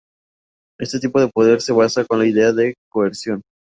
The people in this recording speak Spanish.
Este tipo de poder se basa en la idea de coerción.